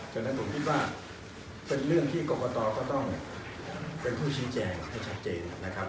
ฉะนั้นผมคิดว่าเป็นเรื่องที่กรกตก็ต้องเป็นผู้ชี้แจงให้ชัดเจนนะครับ